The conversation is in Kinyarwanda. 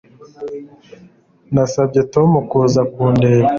Nasabye Tom kuza kundeba